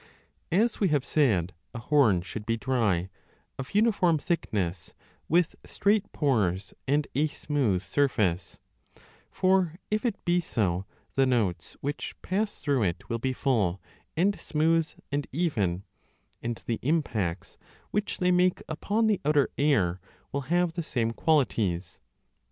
As we have said, a horn should be dry, of uniform thickness, with 10 straight pores and a smooth surface ; for if it be so, the notes which pass through it will be full and smooth and even, and the impacts which they make upon the outer air will have the same qualities.